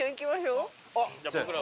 あっ！